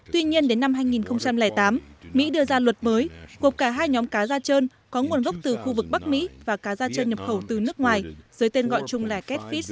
tuy nhiên đến năm hai nghìn tám mỹ đưa ra luật mới của cả hai nhóm cá da trơn có nguồn gốc từ khu vực bắc mỹ và cá da trơn nhập khẩu từ nước ngoài dưới tên gọi chung là keta